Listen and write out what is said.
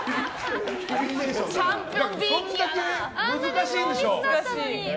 そんだけ難しいんでしょ。